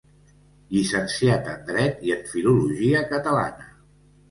Llicenciat en dret i en filologia catalana.